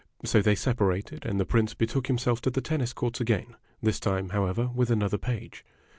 So they separated, and the Prince betook himself to the tennis courts again, this time, however, with another page.